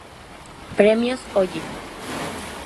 Premios Oye!